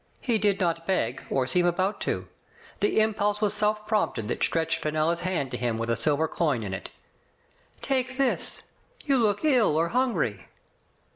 He did not beg, or seem about to. The impulse was self prompted that stretched Fenella's hand to him with a silver coin in it. "Take this. You look ill or hungry."